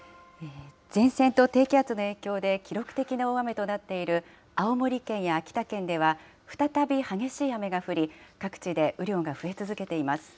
前線と低気圧の影響で、記録的な大雨となっている青森県や秋田県では、再び激しい雨が降り、各地で雨量が増え続けています。